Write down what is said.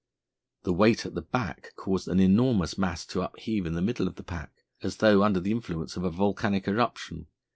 The weight at the back caused an enormous mass to upheave in the middle of the pack, as though under the influence of a volcanic eruption.